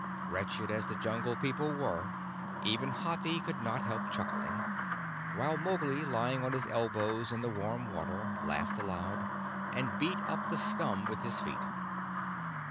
Wretched as the Jungle People were, even Hathi could not help chuckling; while Mowgli, lying on his elbows in the warm water, laughed aloud, and beat up the scum with his feet.